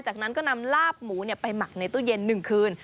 จากนั้นก็นำลาบหมูไปหมักในตู้เย็น๑คืน